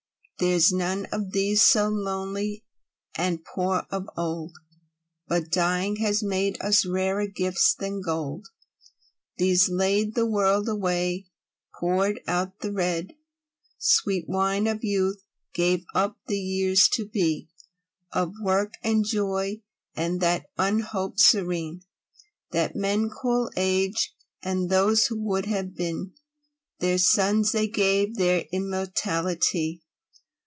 There's none of these so lonely and poor of old, But, dying, has made us rarer gifts than gold. These laid the world away; poured out the red Sweet wine of youth; gave up the years to be Of work and joy, and that unhoped serene, That men call age; and those who would have been, Their sons, they gave, their immortality.